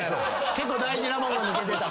結構大事なもの抜けてた。